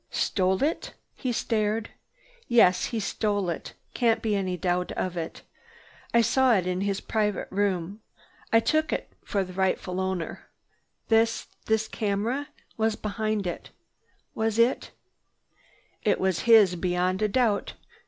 "Stole it?" He stared. "Yes. He stole it. Can't be any doubt of it. I saw it in his private room. I took it for the rightful owner. This—this camera was behind it. Was it—" "It was his beyond a doubt."